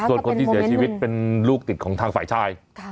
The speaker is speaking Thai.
ส่วนคนที่เสียชีวิตเป็นลูกติดของทางฝ่ายชาย